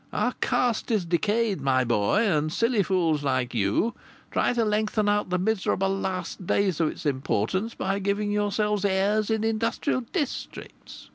Our caste is decayed, my boy, and silly fools like you try to lengthen out the miserable last days of its importance by giving yourselves airs in industrial districts!